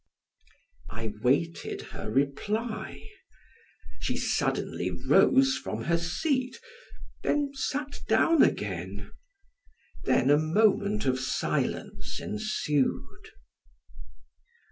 I waited her reply. She suddenly rose from her seat, then sat down again. Then a moment of silence ensued.